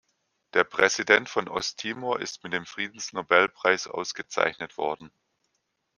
Der Präsident von Osttimor ist mit dem Friedensnobelpreis ausgezeichnet worden.